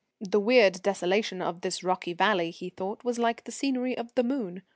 The weird desolation of this rocky valley, he thought, was like the scenery of the moon.